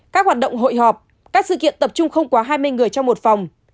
các hoạt động hội họp các sự kiện tập trung không quá hai mươi người trong một phòng